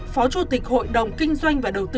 phó chủ tịch hội đồng kinh doanh và đầu tư